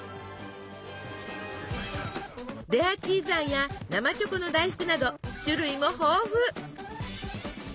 レアチーズあんや生チョコの大福など種類も豊富。